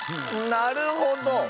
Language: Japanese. なるほど。